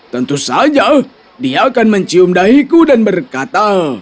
tentu saja dia akan mencium dahiku dan berkata